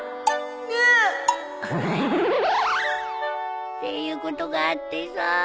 うわっっていうことがあってさ。